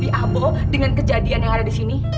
biabo dengan kejadian yang ada di sini